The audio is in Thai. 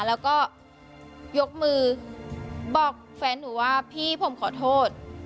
แล้วก็ยกมือบอกแฟนหนูว่าพี่ผมขอโทษ